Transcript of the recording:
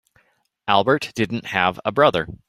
Albert didn't have a brother.